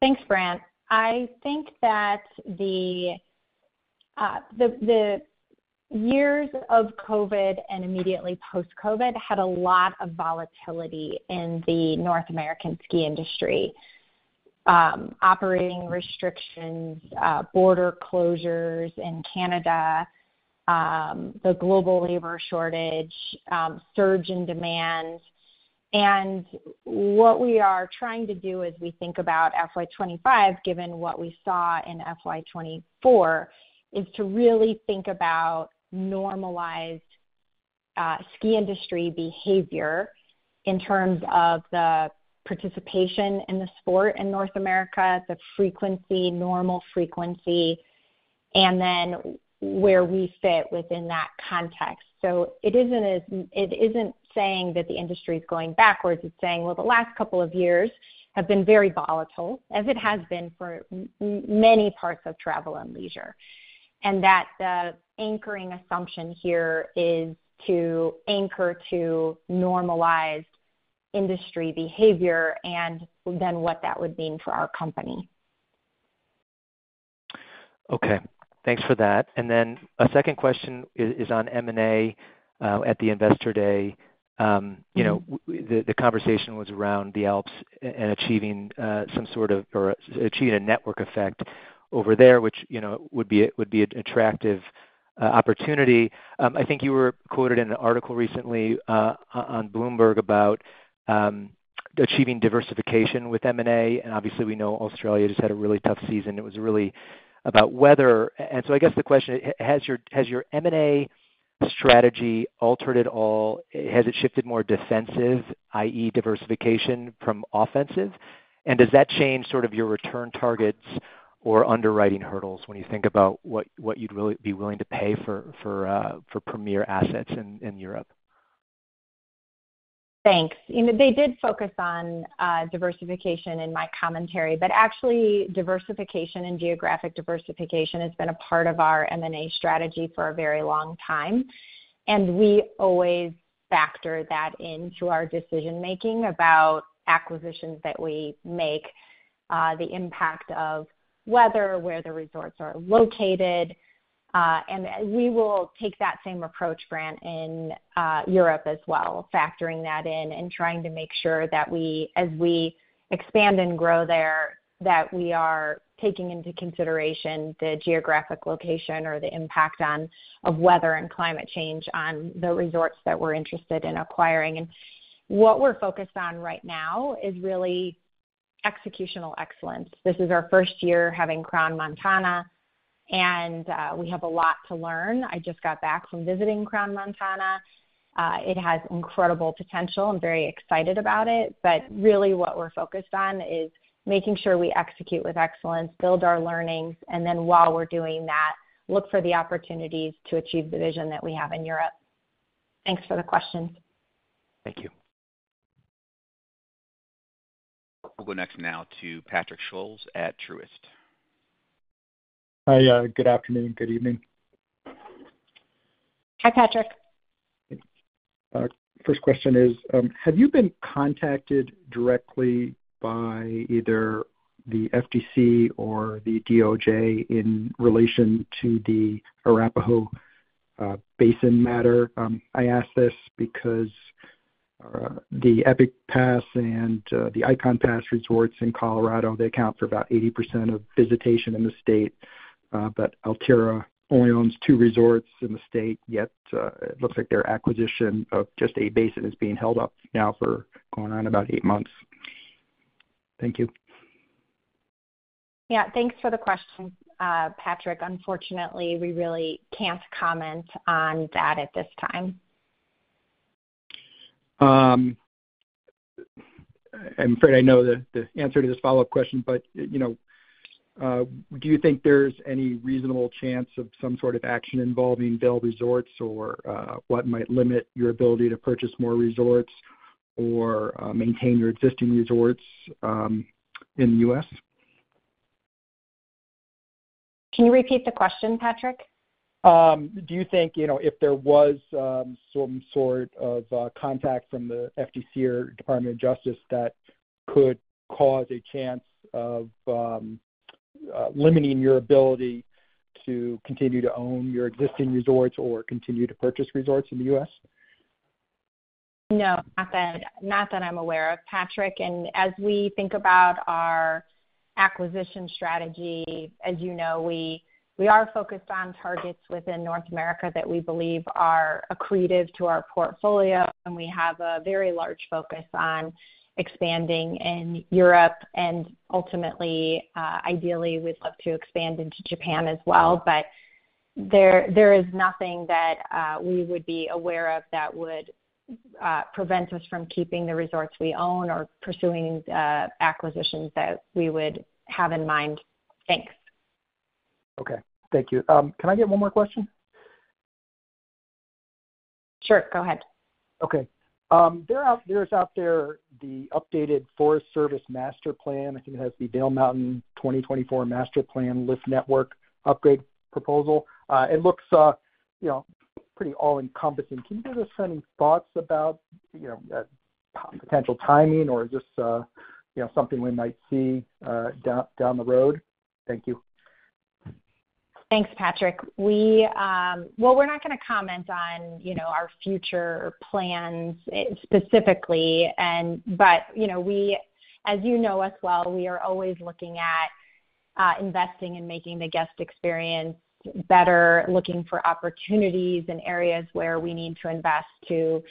Thanks, Brandt. I think that the years of COVID and immediately post-COVID had a lot of volatility in the North American ski industry. Operating restrictions, border closures in Canada, the global labor shortage, surge in demand. What we are trying to do as we think about FY 2025, given what we saw in FY 2024, is to really think about normalized ski industry behavior in terms of the participation in the sport in North America, the frequency, normal frequency, and then where we fit within that context. So it isn't saying that the industry is going backwards. It's saying, well, the last couple of years have been very volatile, as it has been for many parts of travel and leisure, and that the anchoring assumption here is to anchor to normalized industry behavior and then what that would mean for our company. Okay. Thanks for that. And then a second question is on M&A at the Investor Day. You know, the conversation was around the Alps and achieving some sort of or achieving a network effect over there, which, you know, would be a, would be an attractive opportunity. I think you were quoted in an article recently on Bloomberg about achieving diversification with M&A, and obviously, we know Australia just had a really tough season. It was really about weather. And so I guess the question, has your M&A strategy altered at all? Has it shifted more defensive, i.e., diversification from offensive? And does that change sort of your return targets or underwriting hurdles when you think about what you'd really be willing to pay for premier assets in Europe?... Thanks. You know, they did focus on diversification in my commentary, but actually, diversification and geographic diversification has been a part of our M&A strategy for a very long time, and we always factor that into our decision making about acquisitions that we make, the impact of weather, where the resorts are located. And we will take that same approach, Brandt, in Europe as well, factoring that in and trying to make sure that we, as we expand and grow there, that we are taking into consideration the geographic location or the impact on, of weather and climate change on the resorts that we're interested in acquiring. What we're focused on right now is really executional excellence. This is our first year having Crans-Montana, and we have a lot to learn. I just got back from visiting Crans-Montana. It has incredible potential. I'm very excited about it. But really what we're focused on is making sure we execute with excellence, build our learnings, and then while we're doing that, look for the opportunities to achieve the vision that we have in Europe. Thanks for the question. Thank you. We'll go next now to Patrick Scholes at Truist. Hi, good afternoon. Good evening. Hi, Patrick. First question is, have you been contacted directly by either the FTC or the DOJ in relation to the Arapahoe Basin matter? I ask this because the Epic Pass and the Ikon Pass resorts in Colorado, they account for about 80% of visitation in the state, but Alterra only owns two resorts in the state, yet it looks like their acquisition of just Arapahoe Basin is being held up now for going on about eight months. Thank you. Yeah, thanks for the question, Patrick. Unfortunately, we really can't comment on that at this time. I'm afraid I know the answer to this follow-up question, but, you know, do you think there's any reasonable chance of some sort of action involving Vail Resorts or, what might limit your ability to purchase more resorts or, maintain your existing resorts in the U.S.? Can you repeat the question, Patrick? Do you think, you know, if there was some sort of contact from the FTC or Department of Justice, that could cause a chance of limiting your ability to continue to own your existing resorts or continue to purchase resorts in the U.S.? No, not that, not that I'm aware of, Patrick. And as we think about our acquisition strategy, as you know, we are focused on targets within North America that we believe are accretive to our portfolio, and we have a very large focus on expanding in Europe. And ultimately, ideally, we'd love to expand into Japan as well, but there is nothing that we would be aware of that would prevent us from keeping the resorts we own or pursuing acquisitions that we would have in mind. Thanks. Okay. Thank you. Can I get one more question? Sure, go ahead. Okay. There's out there, the updated U.S. Forest Service master plan. I think it has the Vail Mountain 2024 master plan lift network upgrade proposal. It looks, you know, pretty all-encompassing. Can you give us any thoughts about, you know, potential timing or just, you know, something we might see down the road? Thank you. Thanks, Patrick. We... Well, we're not gonna comment on, you know, our future plans specifically, and, but, you know, we, as you know us well, we are always looking at, investing and making the guest experience better, looking for opportunities in areas where we need to invest to,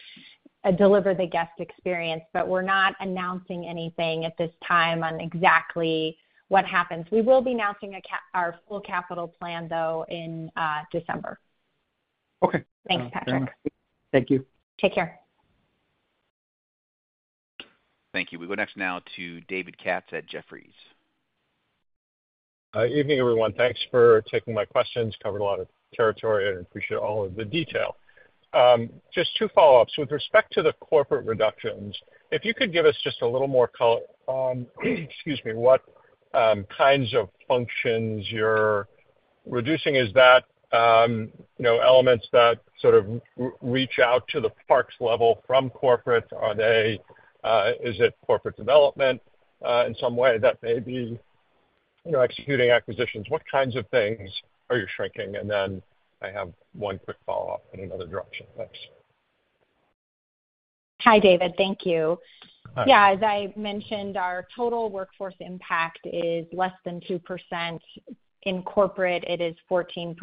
deliver the guest experience, but we're not announcing anything at this time on exactly what happens. We will be announcing our full capital plan, though, in, December. Okay. Thanks, Patrick. Thank you. Take care. Thank you. We go next now to David Katz at Jefferies. Evening, everyone. Thanks for taking my questions, covered a lot of territory and appreciate all of the detail. Just two follow-ups. With respect to the corporate reductions, if you could give us just a little more color on, excuse me, what kinds of functions you're reducing? Is that, you know, elements that sort of reach out to the parks level from corporate? Are they, is it corporate development, in some way that may be, you know, executing acquisitions? What kinds of things are you shrinking? And then I have one quick follow-up in another direction. Thanks. Hi, David. Thank you. Hi. Yeah, as I mentioned, our total workforce impact is less than 2%. In corporate, it is 14%.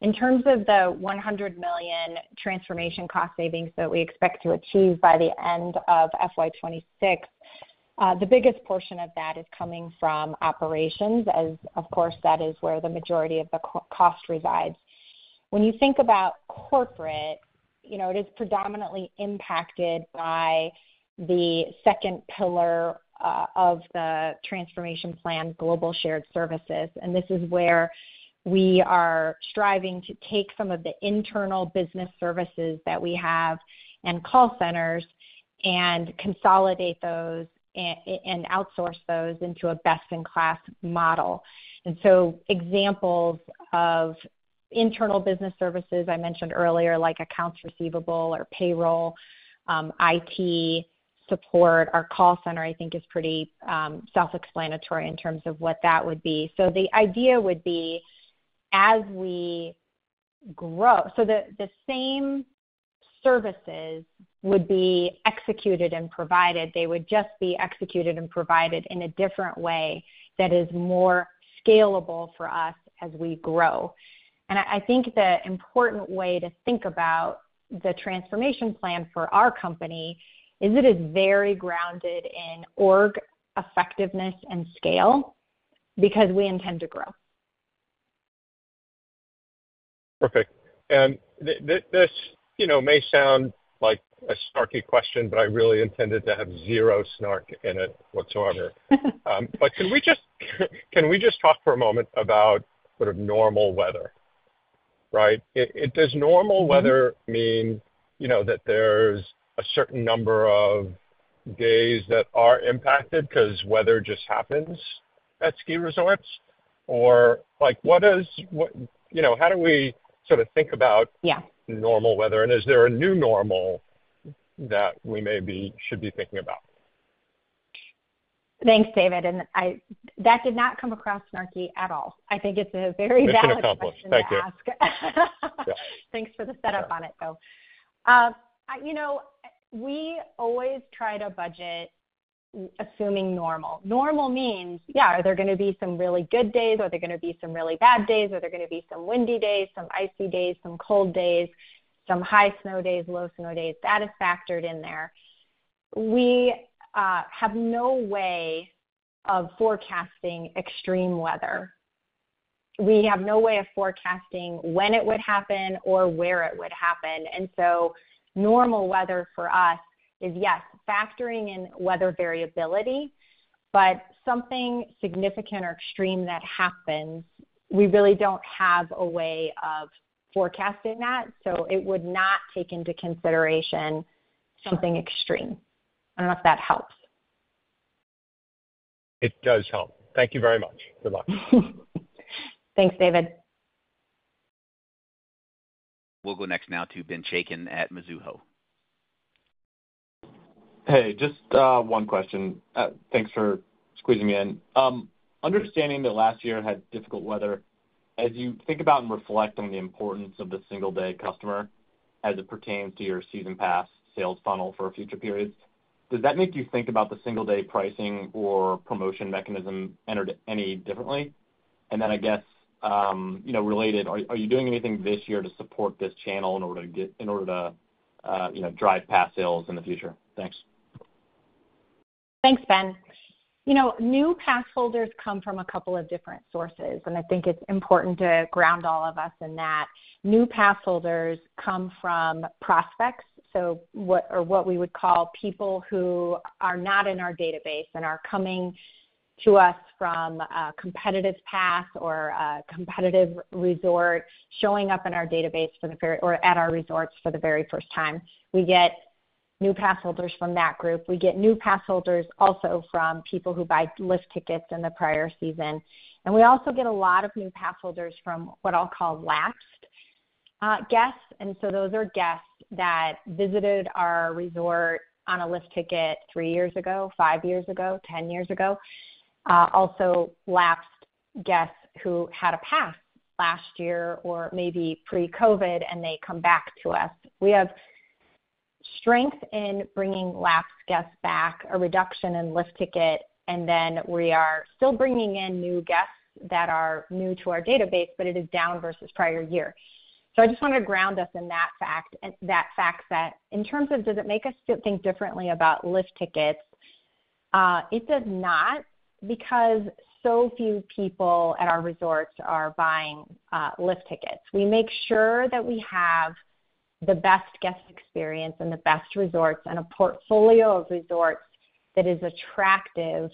In terms of the $100 million transformation cost savings that we expect to achieve by the end of FY 2026, the biggest portion of that is coming from operations, as of course, that is where the majority of the cost resides. When you think about corporate, you know, it is predominantly impacted by the second pillar of the transformation plan, global shared services. And this is where we are striving to take some of the internal business services that we have and call centers and consolidate those and outsource those into a best-in-class model. And so examples of internal business services I mentioned earlier, like accounts receivable or payroll, IT support, our call center, I think is pretty self-explanatory in terms of what that would be. So the same services would be executed and provided, they would just be executed and provided in a different way that is more scalable for us as we grow. And I think the important way to think about the transformation plan for our company is it is very grounded in org effectiveness and scale, because we intend to grow. Perfect. And this, you know, may sound like a snarky question, but I really intended to have zero snark in it whatsoever. But can we just talk for a moment about sort of normal weather, right? Does normal weather- Mm-hmm... mean, you know, that there's a certain number of days that are impacted 'cause weather just happens at ski resorts? Or like, what? You know, how do we sort of think about- Yeah... normal weather, and is there a new normal that we maybe should be thinking about? Thanks, David. That did not come across snarky at all. I think it's a very valid question to ask. Mission accomplished. Thank you. Yeah. Thanks for the setup on it, though. You know, we always try to budget assuming normal. Normal means, yeah, there are gonna be some really good days, or there are gonna be some really bad days, or there are gonna be some windy days, some icy days, some cold days, some high snow days, low snow days. That is factored in there. We have no way of forecasting extreme weather. We have no way of forecasting when it would happen or where it would happen. And so normal weather for us is, yes, factoring in weather variability, but something significant or extreme that happens, we really don't have a way of forecasting that, so it would not take into consideration something extreme. I don't know if that helps. It does help. Thank you very much. Good luck. Thanks, David. We'll go next now to Ben Chaiken at Mizuho. Hey, just, one question. Thanks for squeezing me in. Understanding that last year had difficult weather, as you think about and reflect on the importance of the single day customer as it pertains to your season pass sales funnel for future periods, does that make you think about the single day pricing or promotion mechanism [inaudible] any differently? And then, I guess, you know, related, are you doing anything this year to support this channel in order to you know drive pass sales in the future? Thanks. Thanks, Ben. You know, new pass holders come from a couple of different sources, and I think it's important to ground all of us in that. New pass holders come from prospects, so, or what we would call people who are not in our database and are coming to us from a competitive pass or a competitive resort, showing up in our database or at our resorts for the very first time. We get new pass holders from that group. We get new pass holders also from people who buy lift tickets in the prior season. And we also get a lot of new pass holders from what I'll call lapsed guests. And so those are guests that visited our resort on a lift ticket three years ago, five years ago, 10 years ago. Also lapsed guests who had a pass last year or maybe pre-COVID, and they come back to us. We have strength in bringing lapsed guests back, a reduction in lift ticket, and then we are still bringing in new guests that are new to our database, but it is down versus prior year. So I just wanted to ground us in that fact, and that fact set. In terms of does it make us think differently about lift tickets, it does not, because so few people at our resorts are buying lift tickets. We make sure that we have the best guest experience and the best resorts and a portfolio of resorts that is attractive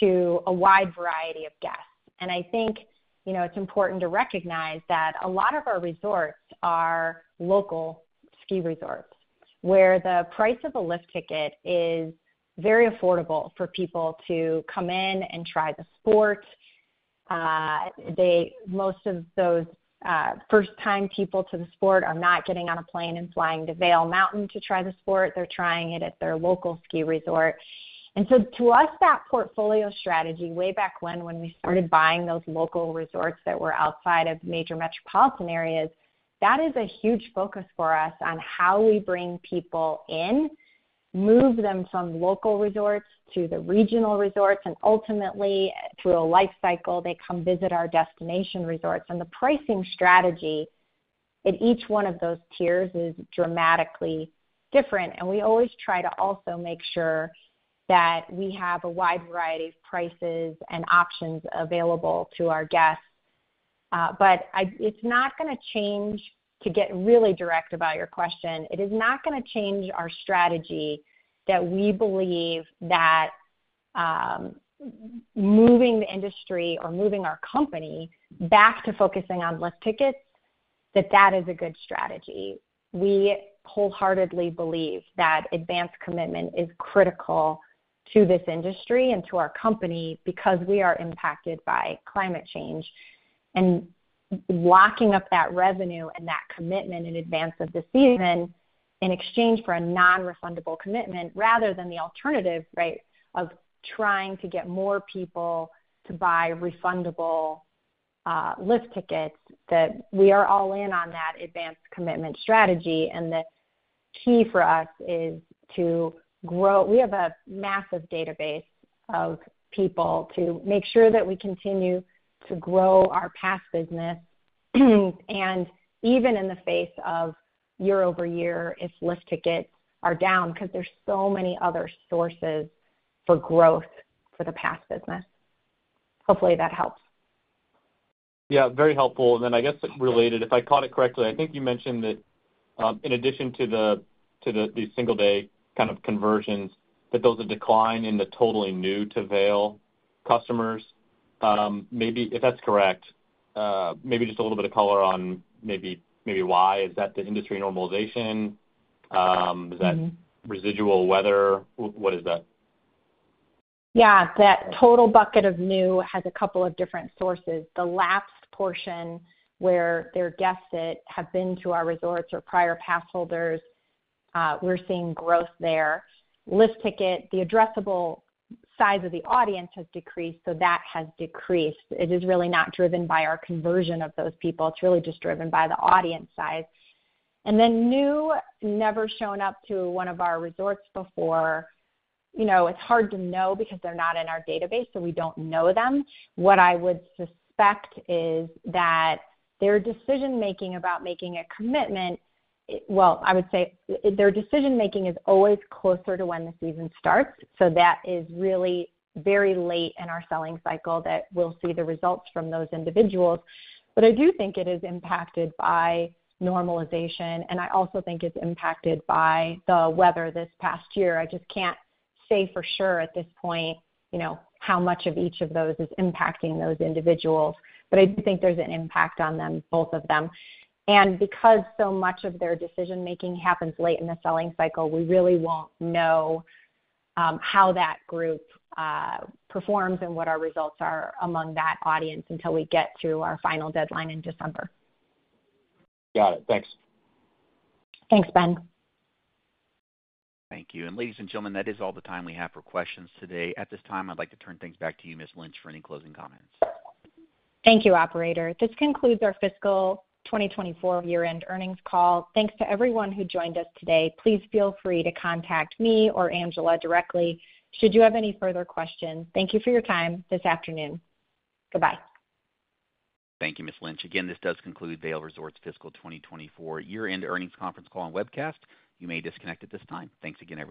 to a wide variety of guests. I think, you know, it's important to recognize that a lot of our resorts are local ski resorts, where the price of a lift ticket is very affordable for people to come in and try the sport. Most of those first-time people to the sport are not getting on a plane and flying to Vail Mountain to try the sport. They're trying it at their local ski resort. And so to us, that portfolio strategy, way back when, when we started buying those local resorts that were outside of major metropolitan areas, that is a huge focus for us on how we bring people in, move them from local resorts to the regional resorts, and ultimately, through a life cycle, they come visit our destination resorts. And the pricing strategy in each one of those tiers is dramatically different, and we always try to also make sure that we have a wide variety of prices and options available to our guests. But it's not gonna change, to get really direct about your question, it is not gonna change our strategy that we believe that moving the industry or moving our company back to focusing on lift tickets, that that is a good strategy. We wholeheartedly believe that advance commitment is critical to this industry and to our company because we are impacted by climate change. And locking up that revenue and that commitment in advance of the season in exchange for a non-refundable commitment rather than the alternative, right, of trying to get more people to buy refundable lift tickets, that we are all in on that advance commitment strategy. The key for us is to grow. We have a massive database of people to make sure that we continue to grow our pass business, and even in the face of year-over-year, if lift tickets are down, because there's so many other sources for growth for the pass business. Hopefully, that helps. Yeah, very helpful. And then I guess related, if I caught it correctly, I think you mentioned that, in addition to the single day kind of conversions, that there was a decline in the totally new to Vail customers. Maybe if that's correct, maybe just a little bit of color on why? Is that the industry normalization? Mm-hmm. Is that residual weather? What is that? Yeah, that total bucket of new has a couple of different sources. The lapsed portion, where they're guests that have been to our resorts or prior pass holders, we're seeing growth there. Lift ticket, the addressable size of the audience has decreased, so that has decreased. It is really not driven by our conversion of those people, it's really just driven by the audience size. And then new, never shown up to one of our resorts before, you know, it's hard to know because they're not in our database, so we don't know them. What I would suspect is that their decision-making about making a commitment, well, I would say their decision-making is always closer to when the season starts, so that is really very late in our selling cycle that we'll see the results from those individuals. But I do think it is impacted by normalization, and I also think it's impacted by the weather this past year. I just can't say for sure at this point, you know, how much of each of those is impacting those individuals, but I do think there's an impact on them, both of them. And because so much of their decision-making happens late in the selling cycle, we really won't know how that group performs and what our results are among that audience until we get through our final deadline in December. Got it. Thanks. Thanks, Ben. Thank you, and ladies and gentlemen, that is all the time we have for questions today. At this time, I'd like to turn things back to you, Ms. Lynch, for any closing comments. Thank you, operator. This concludes our Fiscal 2024 Year-end Earnings Call. Thanks to everyone who joined us today. Please feel free to contact me or Angela directly should you have any further questions. Thank you for your time this afternoon. Goodbye. Thank you, Ms. Lynch. Again, this does conclude Vail Resorts' Fiscal 2024 year-end earnings conference call and webcast. You may disconnect at this time. Thanks again, everyone.